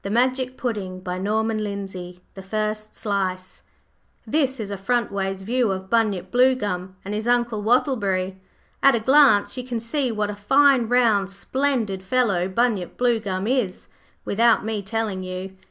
11501 First Slice This is a frontways view of Bunyip Bluegum and his Uncle Wattleberry. At a glance you can see what a fine, round, splendid fellow Bunyip Bluegum is, without me telling you.